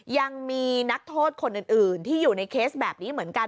ยังมีนักโทษคนอื่นที่อยู่ในเคสแบบนี้เหมือนกัน